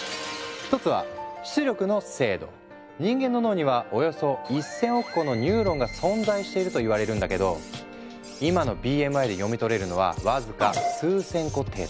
一つは人間の脳にはおよそ１，０００億個のニューロンが存在しているといわれるんだけど今のＢＭＩで読み取れるのは僅か数千個程度。